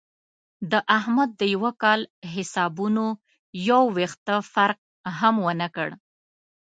د احمد د یوه کال حسابونو یو وېښته فرق هم ونه کړ.